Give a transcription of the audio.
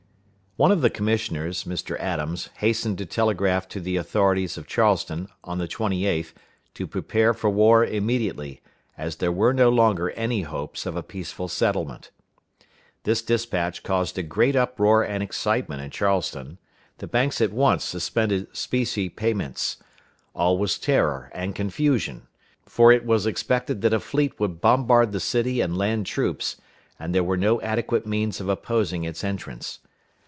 One of the commissioners, Mr. Adams, hastened to telegraph to the authorities of Charleston, on the 28th, to prepare for war immediately, as there were no longer any hopes of a peaceful settlement. This dispatch caused a great uproar and excitement in Charleston. The banks at once suspended specie payments. All was terror and confusion, for it was expected that a fleet would bombard the city and land troops, and there were no adequate means of opposing its entrance.